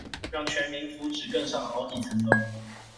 讓全民福祉更上好幾層樓